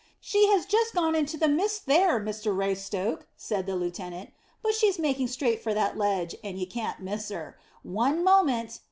"She has just gone into the mist there, Mr Raystoke," said the lieutenant; "but she's making straight for that ledge, and you can't miss her. One moment.